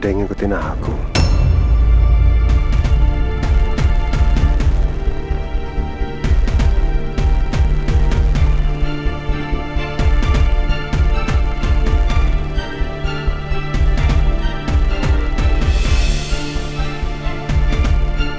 yang diantara sumarno